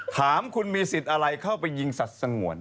ถามคุณมีสิทธิ์อะไรเข้าไปยิงสัตว์สงวน